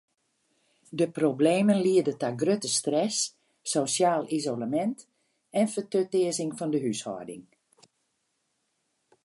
De problemen liede ta grutte stress, sosjaal isolemint en fertutearzing fan de húshâlding.